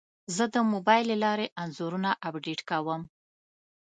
زه د موبایل له لارې انځورونه ایډیټ کوم.